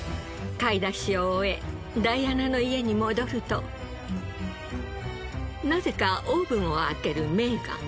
買い出しを終えダイアナの家に戻るとなぜかオーブンを開けるメーガン。